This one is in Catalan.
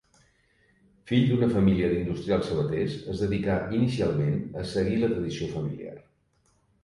Fill d'una família d'industrials sabaters, es dedicà inicialment a seguir la tradició familiar.